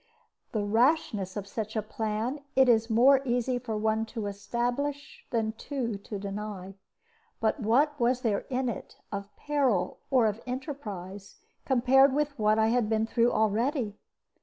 The rashness of such a plan it is more easy for one to establish than two to deny. But what was there in it of peril or of enterprise compared with what I had been through already?